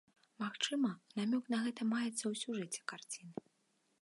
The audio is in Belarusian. Магчыма, намёк на гэта маецца ў сюжэце карціны.